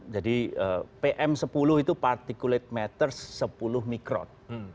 jadi pm sepuluh itu particulate matters sepuluh mikron